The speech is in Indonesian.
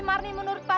harus menolong tapi